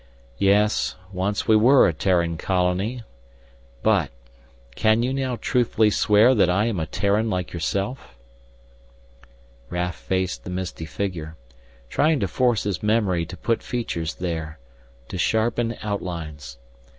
"Yes, once we were a Terran colony. But can you now truthfully swear that I am a Terran like yourself?" Raf faced the misty figure, trying to force his memory to put features there, to sharpen outlines.